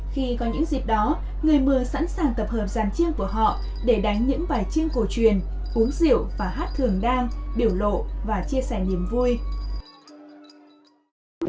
khi có những dịp đó người mường sẵn sàng tập hợp giàn chiêng của họ để đánh những bài chiêng cổ truyền uống rượu và hát thường đang biểu lộ và chia sẻ niềm vui